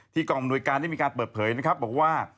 ที่กองบนโดยการนี้มีการเปิดเผยบอกว่า